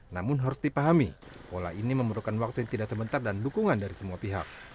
namun harus dipahami pola ini memerlukan waktu yang tidak sebentar dan dukungan dari semua pihak